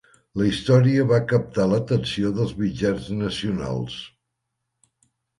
La història va captar l'atenció dels mitjans nacionals.